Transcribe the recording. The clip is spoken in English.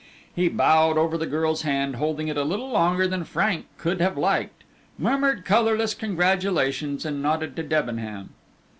He bowed over the girl's hand, holding it a little longer than Frank could have liked, murmured colourless congratulations and nodded to Debenham.